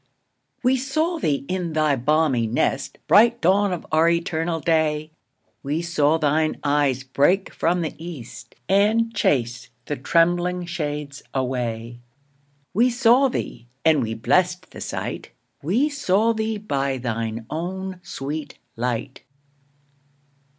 We saw thee in thy balmy nest, Bright dawn of our eternal day; We saw thine eyes break from the east, And chase the trembling shades away: We saw thee (and we blest the sight) We saw thee by thine own sweet light.